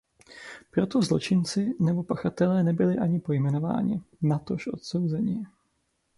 Proto zločinci nebo pachatelé nebyli ani pojmenováni, natož odsouzeni.